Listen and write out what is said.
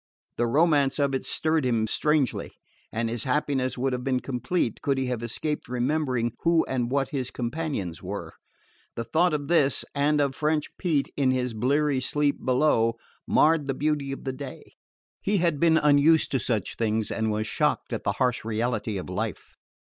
The romance of it stirred him strangely, and his happiness would have been complete could he have escaped remembering who and what his companions were. The thought of this, and of French Pete in his bleary sleep below, marred the beauty of the day. He had been unused to such things and was shocked at the harsh reality of life.